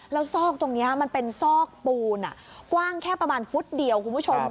แล้วซอกตรงนี้มันเป็นซอกปูนกว้างแค่ประมาณฟุตเดียวคุณผู้ชม